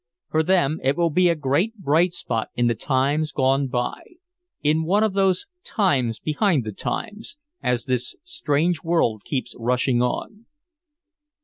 For them it will be a great bright spot in the times gone by in one of those times behind the times, as this strange world keeps rushing on.